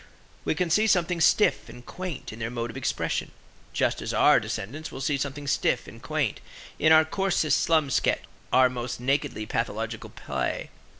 We can see something stiff and quaint in their mode of expression, just as our descendants will see something stiff and quaint in our coarsest slum sketch or our most naked pathological play.